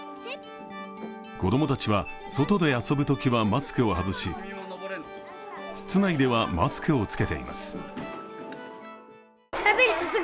子供たちは、外で遊ぶときはマスクを外し、室内ではマスクをつけています。